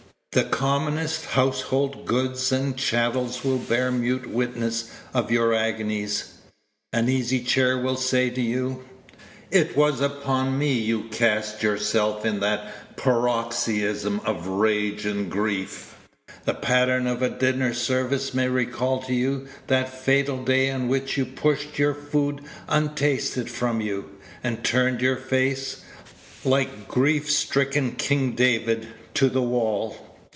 The commonest household goods and chattels will bear mute witness of your agonies: an easy chair will say to you, "It was upon me you cast yourself in that paroxysm of rage and grief;" the pattern of a dinner service may recall to you that fatal day on which you pushed your food untasted from you, and turned your face, like grief stricken King David, to the wall.